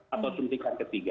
atau suntikan ketiga